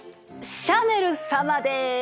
シャネル様です！